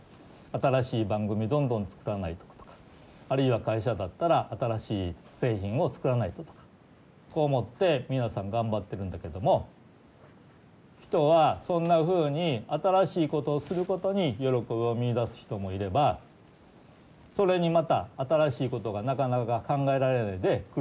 新しい番組どんどん作らないととかあるいは会社だったら新しい製品を作らないととかこう思って皆さん頑張ってるんだけれども人はそんなふうに新しいことをすることに喜びを見いだす人もいればそれにまた新しいことがなかなか考えられないで苦しむ人もいるわけ。